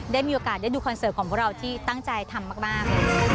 ได้มีโอกาสได้ดูคอนเสิร์ตของพวกเราที่ตั้งใจทำมาก